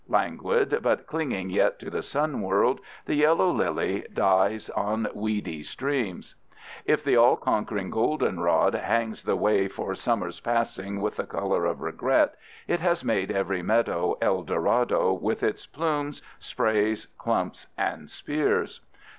Languid, but clinging yet to the sun world, the yellow lily dies on weedy streams. If the all conquering goldenrod hangs the way for summer's passing with the color of regret, it has made every meadow El Dorado with its plumes, sprays, clumps, and spears.